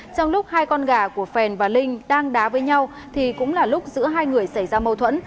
trong lúc hai con gà của phèn và linh đang đá với nhau thì cũng là lúc giữa hai người xảy ra mâu thuẫn